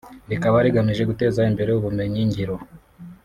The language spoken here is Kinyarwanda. rikaba rigamije guteza imbere ubumenyi ngiro